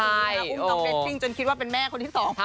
แล้วอุ้มต้องเต้นจริงจนคิดว่าเป็นแม่คนที่สองแล้ว